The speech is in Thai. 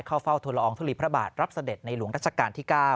เฝ้าทุลอองทุลีพระบาทรับเสด็จในหลวงรัชกาลที่๙